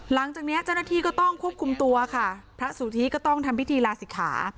หลังจากนี้เจ้าหน้าที่ก็ต้องควบคุมตัวค่ะพระสุธิก็ต้องทำพิธีลาศิกขา